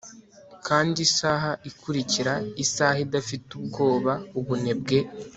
Kandi isaha ikurikira isaha idafite ubwoba ubunebwe